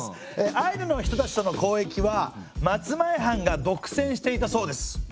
アイヌの人たちとの交易は松前藩が独占していたそうです。